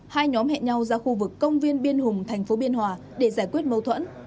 hai nhóm hẹn nhau ra khu vực công viên biên hùng thành phố biên hòa để giải quyết mâu thuẫn